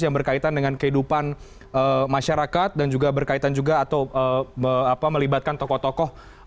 yang berkaitan dengan kehidupan masyarakat dan juga berkaitan juga atau melibatkan tokoh tokoh